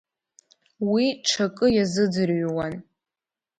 Уи ҽакы иазыӡырҩуан…